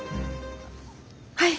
はい！